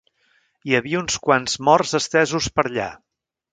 Hi havia uns quants morts estesos per allà